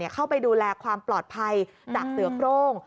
เข้าไปดูแลความปลอดภัยจากเสือโครง